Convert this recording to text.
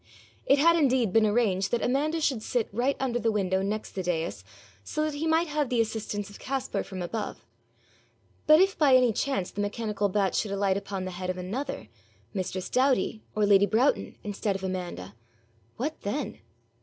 It had indeed been arranged that Amanda should sit right under the window next the dais, so that he might have the assistance of Caspar from above; but if by any chance the mechanical bat should alight upon the head of another, mistress Doughty or lady Broughton instead of Amanda what then?